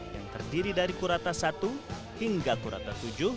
yang terdiri dari kurata satu hingga kurata tujuh